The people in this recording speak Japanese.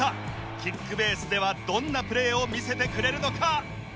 キックベースではどんなプレーを見せてくれるのか？